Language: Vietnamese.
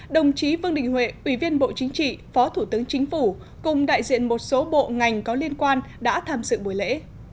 đồng chí vương đình huệ ủy viên bộ chính trị phó thủ tướng chính phủ cùng đại diện một số bộ ngành có liên quan đã tham dự buổi lễ